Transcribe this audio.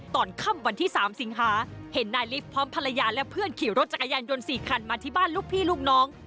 ตอนค่ำวันที่๓สิงหาเห็นนายลิฟต์พร้อมภรรยาและเพื่อนขี่รถจักรยานยนต์๔คันมาที่บ้านลูกพี่ลูกน้อง